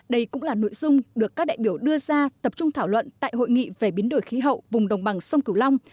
đây cũng là nội dung được các đại biểu đưa ra tập trung thảo luận tại hội nghị về biến đổi khí hậu vùng đồng bằng sông cửu long